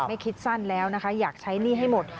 ไม่คิดสั้นแล้วนะคะอยากใช้หนี้ให้หมด